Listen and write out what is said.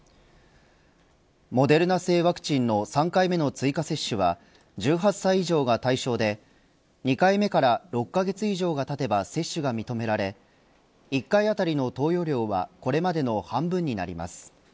モデルナ製ワクチンの３回目の追加接種は１８歳以上が対象で２回目から６カ月以上がたてば接種が認められ１回当たりの投与量はこれまでの半分になります。